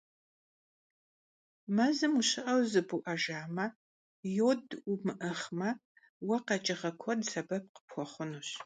Мэзым ущыӀэу зыбуӀэжамэ, йод умыӀыгъмэ, уэ къэкӀыгъэ куэд сэбэп къыпхуэхъунущ.